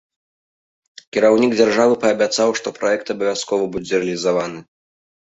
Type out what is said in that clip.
Кіраўнік дзяржавы паабяцаў, што праект абавязкова будзе рэалізаваны.